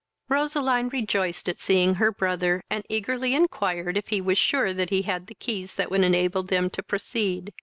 Roseline rejoiced at seeing her brother, and eagerly inquired if he was sure that he had the keys that would enable them to proceed.